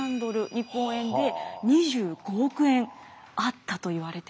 日本円で２５億円あったといわれているんですね。